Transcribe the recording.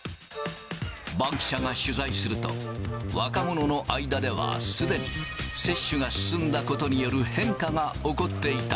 バンキシャが取材すると、若者の間では、すでに接種が進んだことによる変化が起こっていた。